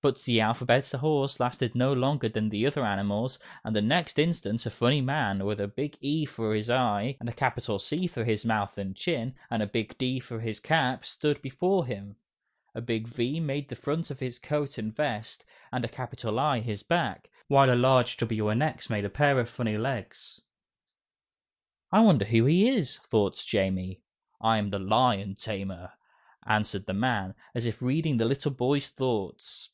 But the Alphabet Horse lasted no longer than the other animals, and the next instant a funny man, with a big E for his eye and nose and a capital C for his mouth and chin, and a big D for his cap, stood before him. A big V made the front of his coat and vest, and a capital I his back, while a large W and X made a pair of funny legs. "I wonder who he is?" thought Jamie. "I'm the Lion Tamer," answered the man, as if reading the little boy's thoughts.